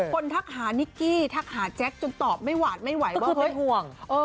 คนทักหานิกกี้ทักหาแจ็คจนตอบไม่หวาดไม่ไหวว่า